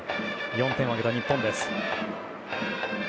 ４点を挙げた日本です。